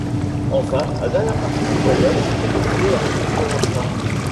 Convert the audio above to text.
Enfin, la dernière partie du voyage s'effectuait à nouveau en train.